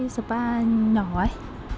spa nhỏ ấy